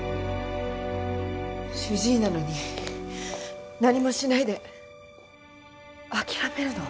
主治医なのに何もしないで諦めるの？